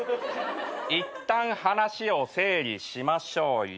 いったん話を整理しましょうよと。